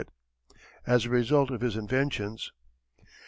as a result of his inventions.